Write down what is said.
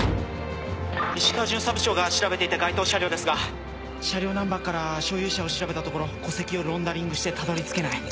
石川巡査部長が調べていた該当車両ですが車両ナンバーから所有者を調べたところ戸籍をロンダリングしてたどり着けない。